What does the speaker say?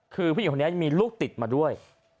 คือผู้หญิงคนนี้มีลูกติดมาด้วย